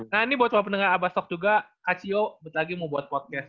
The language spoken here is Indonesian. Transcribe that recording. nah ini buat pendengar abas talk juga kak cio lagi mau buat podcast